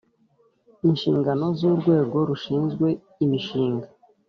Inshingano z’urwego rushinzwe imishinga